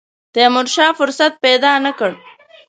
تیمورشاه فرصت پیدا نه کړ.